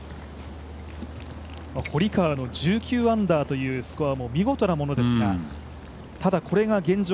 堀川の１９アンダーというスコアも見事なものですがただ、これが現状